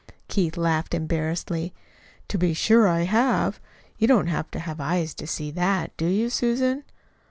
Keith laughed embarrassedly. "To be sure I have! You don't have to have eyes to see that, do you, Susan?"